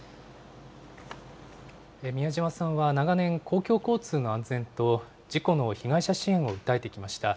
美谷島さんは長年、公共交通の安全と、事故の被害者支援を訴えてきました。